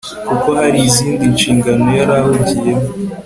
kuko hari izindi nshingano yari ahugiyemo